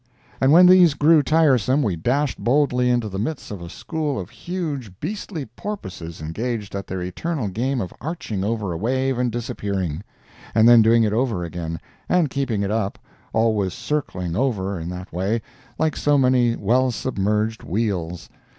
And when these grew tiresome we dashed boldly into the midst of a school of huge, beastly porpoises engaged at their eternal game of arching over a wave and disappearing, and then doing it over again and keeping it up—always circling over, in that way, like so many well submerged wheels.